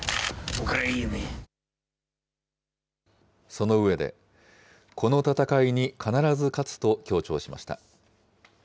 その上で、この戦いに必ず勝つと強調しました。